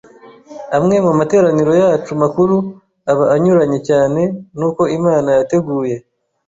amwe mu materaniro yacu makuru aba anyuranye cyane n’uko Imana yateguye